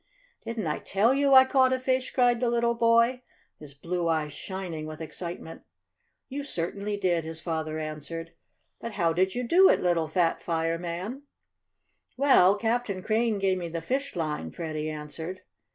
"Didn't I tell you I caught a fish?" cried the little boy, his blue eyes shining with excitement. "You certainly did," his father answered. "But how did you do it, little fat fireman?" "Well, Captain Crane gave me the fishline," Freddie answered.